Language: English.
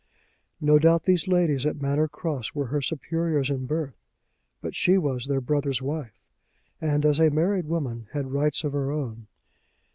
No doubt these ladies at Manor Cross were her superiors in birth; but she was their brother's wife, and as a married woman had rights of her own.